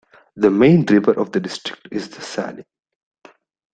The main river of the district is the Saale.